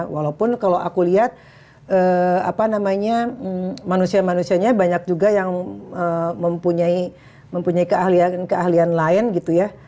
walaupun kalau aku lihat manusia manusianya banyak juga yang mempunyai keahlian keahlian lain gitu ya